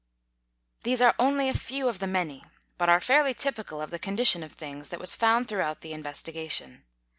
These are only a few of the many, but are fairly typical of the condition of things that was found throughout the investigation.